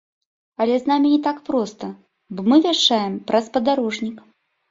Але з намі не так проста, бо мы вяшчаем праз спадарожнік.